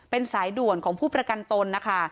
เป็นสายด่วนของผู้ประกันตนนะคะ